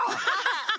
ハハハハ！